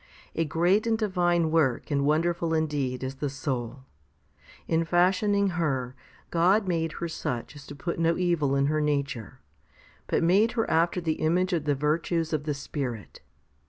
A great and divine work and wonderful indeed is the soul. In fashioning her, God made her such as to put no evil in her nature, but made her after the image of the virtues of the Spirit.